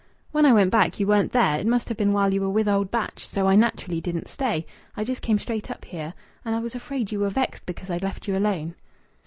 "When I went back you weren't there; it must have been while you were with old Batch; so I naturally didn't stay. I just came straight up here. I was afraid you were vexed because I'd left you alone."